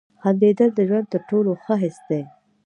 • خندېدل د ژوند تر ټولو ښه حس دی.